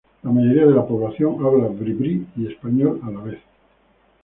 La mayoría de la población habla bribri y español a la vez.